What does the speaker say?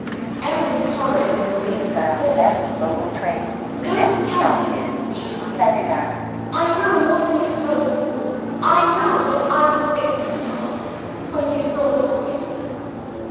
Emily's horror of the woman forced her to speak. "Don't tell me!" she cried. "I know more than you suppose; I know what I was ignorant of when you saw the locket."